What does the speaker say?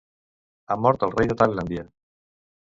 Ha mort el rei de Tailàndia.